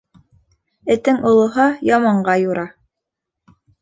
Этең олоһа, яманға юра.